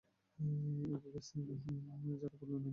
S K Singh এছাড়াও পল্লী উন্নয়ন মন্ত্রণালয়ের প্রতিমন্ত্রী ছিলেন।